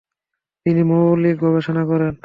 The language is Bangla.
তিনি মৌলিক গবেষণা করেন।